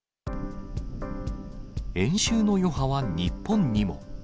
演習の余波は日本にも。